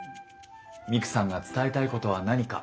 ミクさんが伝えたいことは何か？